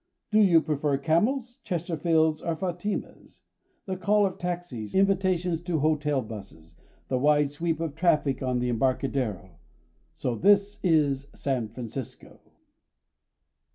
Do you prefer "Camels", "Chesterfields" or "Fatimas"? the call of taxis, invitations to hotel buses, the wide sweep of traffic on the Embarcadero "So this is San Francisco."